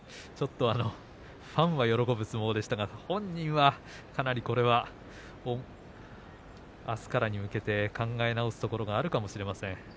ファンは喜ぶ相撲でしたが本人は、あすからに向けて考え直すところもあるかもしれません。